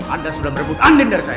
anda sudah merebut angin dari saya